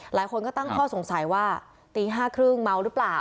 หลายคนก็ตั้งข้อสงสัยว่าตีห้าครึ่งเมาท์หรือเปล่า